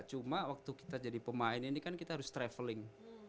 cuma waktu kita jadi pemain ini kan kita harus traveling